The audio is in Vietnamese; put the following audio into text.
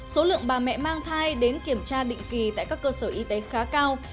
số lượng bà mẹ mang thai đến kiểm tra định kỳ tại các cơ sở y tế khá cao